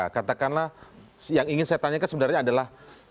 katakanlah yang ingin saya tanyakan sebenarnya adalah